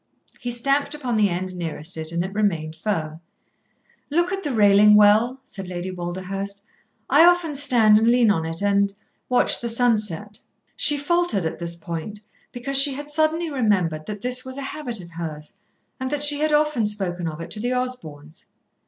He stamped upon the end nearest and it remained firm. "Look at the railing well," said Lady Walderhurst. "I often stand and lean on it and and watch the sunset." She faltered at this point, because she had suddenly remembered that this was a habit of hers, and that she had often spoken of it to the Osborns.